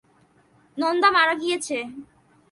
নন্দ মারা গিয়াছে!